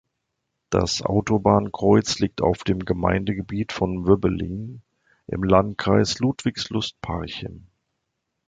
Das Autobahnkreuz liegt auf dem Gemeindegebiet von Wöbbelin im Landkreis Ludwigslust-Parchim.